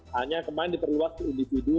hanya kemarin diteriwak ke individu